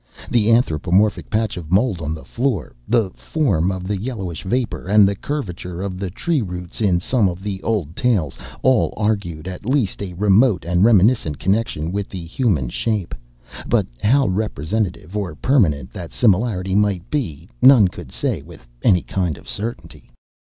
The anthropomorphic patch of mold on the floor, the form of the yellowish vapor, and the curvature of the tree roots in some of the old tales, all argued at least a remote and reminiscent connection with the human shape; but how representative or permanent that similarity might be, none could say with any kind of certainty.